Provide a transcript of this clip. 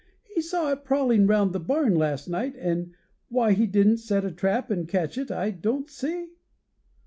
He saw it prowling round the barn last night, and why he didn't set a trap and catch it I don't see."